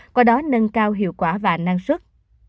qua đó nâng cao hiệu quả và năng suất